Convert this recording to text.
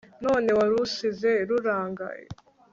none warusize rurangaye